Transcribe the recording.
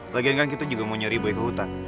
lagian kan kita juga mau nyari boy ke hutan